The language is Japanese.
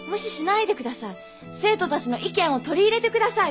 生徒たちの意見を取り入れてください。